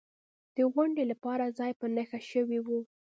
د غونډې لپاره ځای په نښه شوی و.